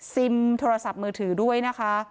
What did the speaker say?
ซิมโทรศัพท์มือถือด้วยนะคะ